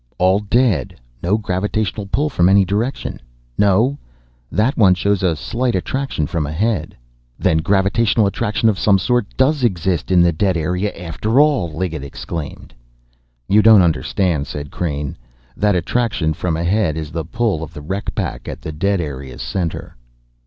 "All dead! No gravitational pull from any direction no, that one shows a slight attraction from ahead!" "Then gravitational attraction of some sort does exist in the dead area after all!" Liggett exclaimed. "You don't understand," said Crain. "That attraction from ahead is the pull of the wreck pack at the dead area's center."